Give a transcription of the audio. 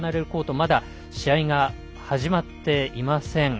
まだ試合が始まっていません。